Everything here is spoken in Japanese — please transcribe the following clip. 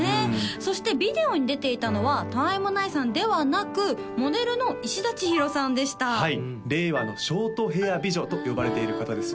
そしてビデオに出ていたのは他愛もないさんではなくモデルのいしだちひろさんでした令和のショートヘア美女と呼ばれている方です